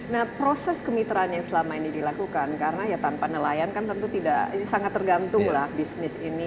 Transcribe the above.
nah proses kemitraan yang selama ini dilakukan karena ya tanpa nelayan kan tentu tidak sangat tergantung lah bisnis ini